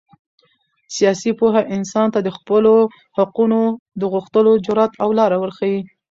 سیاسي پوهه انسان ته د خپلو حقونو د غوښتلو جرات او لاره ورښیي.